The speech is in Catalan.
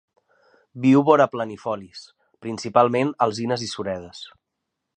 Viu vora planifolis, principalment alzines i suredes.